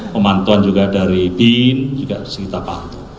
pemantuan juga dari bin juga terus kita pantu